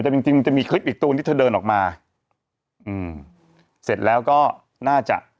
หรือจริงมีคลิปอีกตัววันนี้เขาเดินออกมาเสร็จแล้วก็น่าจะ